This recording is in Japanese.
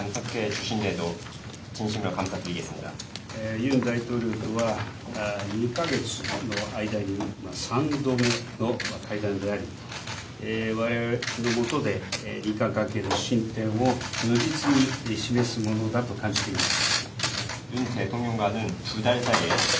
ユン大統領とは２か月の間に３度目の会談であり、われわれのもとで日韓関係の進展を如実に示すものだと感じています。